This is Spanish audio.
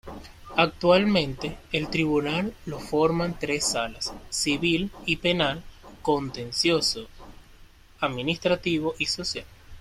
Actualmente, el tribunal lo forman tres salas: Civil y Penal, Contencioso Administrativo y Social.